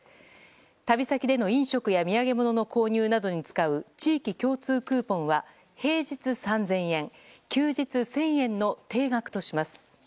旅先での飲食や土産物の購入などに使う地域共通クーポンは平日３０００円休日１０００円の定額とします。